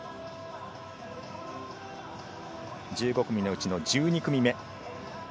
１５組のうちの１２組目。